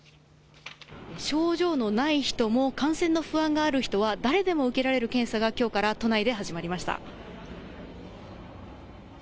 症状のない人も感染の不安がある人は誰でも受けられる検査がきょうから都内で始まりました。